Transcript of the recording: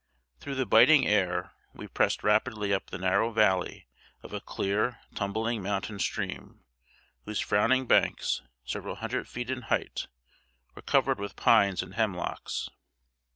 ] Through the biting air we pressed rapidly up the narrow valley of a clear, tumbling mountain stream, whose frowning banks, several hundred feet in hight, were covered with pines and hemlocks.